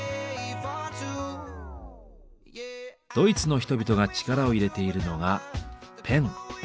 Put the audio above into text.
ドイツの人々が力を入れているのがペン。